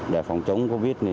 để phòng chống covid